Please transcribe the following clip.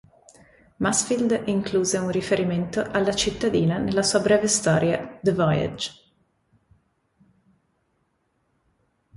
Mansfield incluse un riferimento alla cittadina nella sua breve storia "The Voyage".